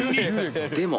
でも。